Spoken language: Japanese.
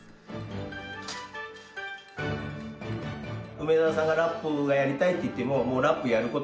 梅沢さんがラップがやりたいって言ってももうラップやることはできませんね。